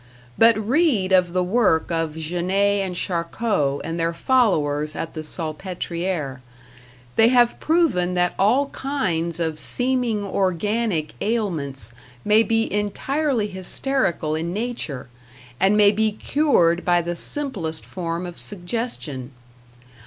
But read of the work of Janet and Charcot and their followers at the Salpetriere; they have proven that all kinds of seeming organic ailments may be entirely hysterical in nature, and may be cured by the simplest form of suggestion.